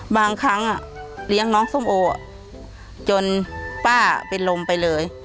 บางครั้งเลี้ยงน้องส้มโอจนป้าเป็นลมไปเลย